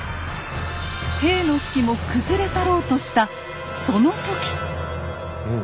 兵の士気も崩れ去ろうとしたその時。